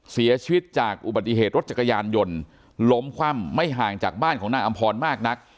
เสียชีวิตจากอุบัติเหตุรถจักรยานยนต์ล้มคว่ำไม่ห่างจากบ้านของนางอำพรมากนัก